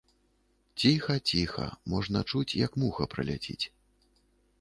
Ціха, ціха, можна чуць, як муха праляціць.